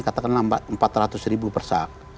katakanlah empat ratus ribu persak